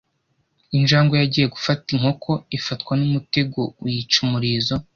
Injangwe yagiye gufata inkoko ifatwa n'umutego uyica umurizo